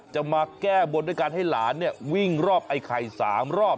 จะมาแก้บนด้วยการให้หลานวิ่งรอบไอ้ไข่๓รอบ